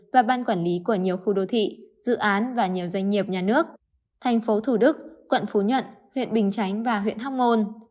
và ban quản lý của nhiều khu đô thị dự án và nhiều doanh nghiệp nhà nước thành phố thủ đức quận phú nhuận huyện bình chánh và huyện hóc môn